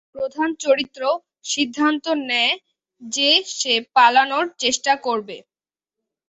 প্রধান চরিত্র সিদ্ধান্ত নেয় যে সে পালানোর চেষ্টা করবে।